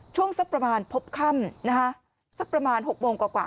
ช่วงสักประมาณพบค่ำสักประมาณ๖โมงกว่า